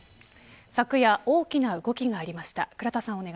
昨夜、大きな動きがありました。